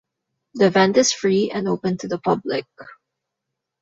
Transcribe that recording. The event is free and open to the public.